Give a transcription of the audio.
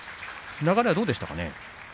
流れ、どうでしたか。